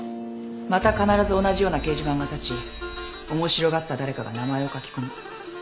また必ず同じような掲示板が立ち面白がった誰かが名前を書き込む。